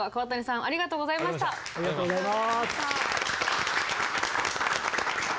ありがとうございます！